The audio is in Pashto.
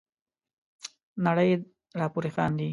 نړۍ را پوري خاندي.